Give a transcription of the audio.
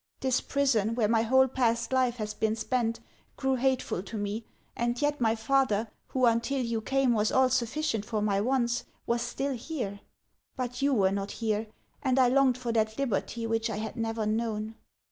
This prison, where my whole past life has been spent, grew hateful to me ; and yet my father, who until you came was all sufficient for my wants, was still here ; but you were not here, and T longed for that liberty which I had never known."